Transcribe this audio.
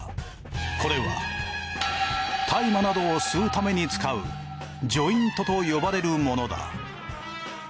これは大麻などを吸うために使うジョイントと呼ばれるものだ。